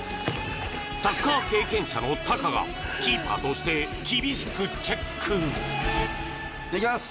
サッカー経験者のタカがキーパーとして厳しくチェックじゃあいきます